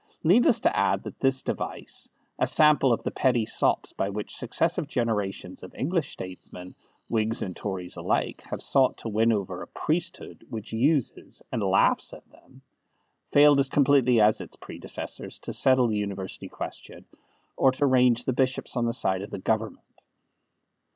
Needless to add that this device a sample of the petty sops by which successive generations of English statesmen, Whigs and Tories alike, have sought to win over a priesthood which uses and laughs at them failed as completely as its predecessors to settle the University question or to range the bishops on the side of the Government.